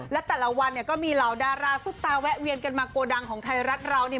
และแต่ละวันเนี่ยก็มีเหล่าดาราซุปตาแวะเวียนกันมาโกดังของไทยรัฐเราเนี่ย